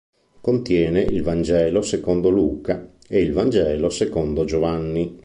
Contiene il "Vangelo secondo Luca" e il "Vangelo secondo Giovanni".